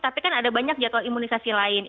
tapi kan ada banyak jadwal imunisasi lain